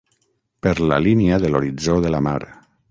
Per la línia de l'horitzó de la mar...